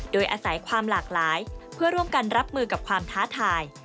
โดยอาศัยความหลากหลายเพื่อร่วมกันรับมือกับความท้าทาย